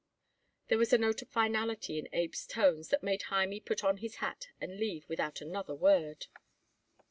There was a note of finality in Abe's tones that made Hymie put on his hat and leave without another word.